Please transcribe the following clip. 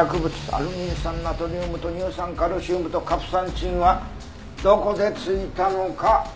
アルギン酸ナトリウムと乳酸カルシウムとカプサンチンはどこで付いたのか？